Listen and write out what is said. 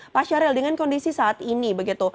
pak syahril dengan kondisi saat ini begitu